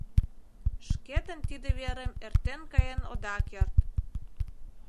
Шкетын тиде верым эртен каен ода керт.